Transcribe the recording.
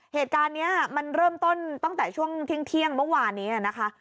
เหตุการณ์นี้มันเริ่มต้นตั้งแต่ช่วงเที่ยงเมื่อวานนี้นะคะ